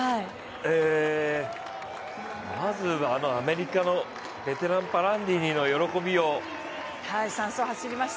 まずアメリカのベテラン、パランティニの喜びよう。